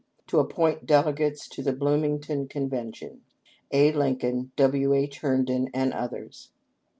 to appoint delegates to the Blooming ton Convention. "A. Lincoln, " W. H. Herndon and others."